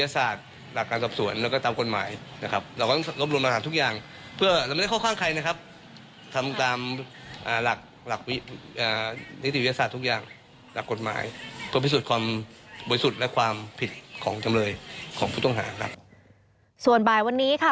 ส่วนบ่ายวันนี้ค่ะ